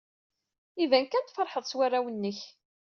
Iban kan tfeṛḥed s warraw-nnek.